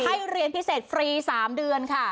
ให้เรียนพิเศษฟรี๓เดือนค่ะ